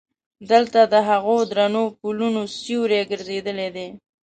دلته د هغو درنو پلونو سیوري ګرځېدلی دي.